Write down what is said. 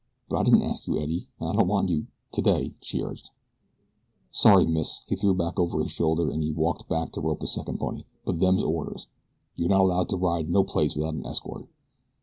"But I didn't ask you, Eddie, and I don't want you today," she urged. "Sorry, miss," he threw back over his shoulder as he walked back to rope a second pony; "but them's orders. You're not to be allowed to ride no place without a escort.